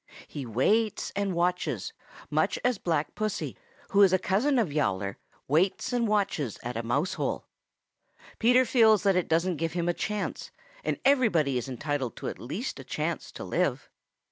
He waits and watches much as Black Pussy, who is a cousin of Yowler, waits and watches at a mousehole. Peter feels that it doesn't give him a chance, and everybody is entitled to at least a chance to live.